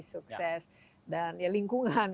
sukses dan ya lingkungan